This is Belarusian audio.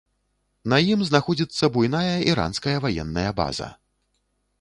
На ім знаходзіцца буйная іранская ваенная база.